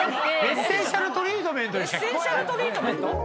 エッセンシャルトリートメントにしか。